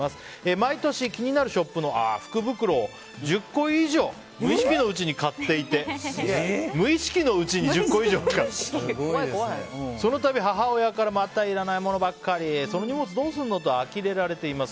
毎年気になるショップの福袋を１０個以上無意識のうちに買っていてそのたび母親からまたいらないものばっかりその荷物どうするの？とあきれられています。